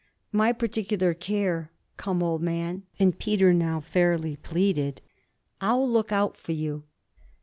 'My particular care. Come, old man' and Peter now fairly pleaded 'I'll look out for you.'